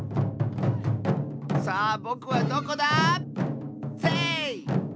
さあぼくはどこだ⁉せい！